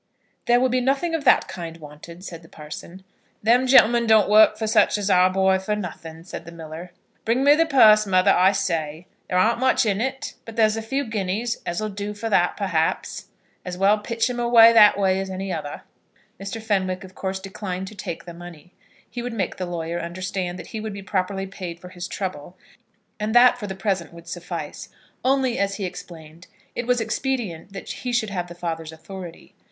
"There will be nothing of that kind wanted," said the parson. "Them gentlemen don't work for such as our boy for nothin'," said the miller. "Bring me the purse, mother, I say. There ar'n't much in it, but there's a few guineas as 'll do for that, perhaps. As well pitch 'em away that way as any other." Mr. Fenwick, of course, declined to take the money. He would make the lawyer understand that he would be properly paid for his trouble, and that for the present would suffice. Only, as he explained, it was expedient that he should have the father's authority.